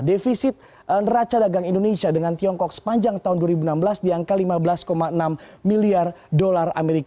defisit neraca dagang indonesia dengan tiongkok sepanjang tahun dua ribu enam belas di angka lima belas enam miliar dolar